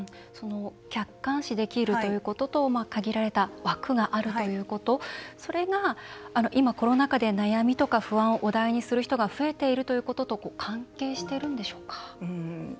客観視できるということと限られた枠があるということそれが、今コロナ禍で悩みとか不安をお題にする人が増えているということと関係しているんでしょうか。